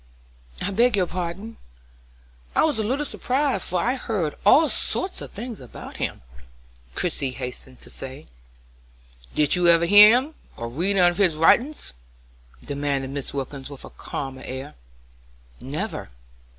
"I beg your pardon; I was a little surprised, for I'd heard all sorts of things about him," Christie hastened to say. "Did you ever hear him, or read any of his writins?" demanded Mrs. Wilkins, with a calmer air. "Never."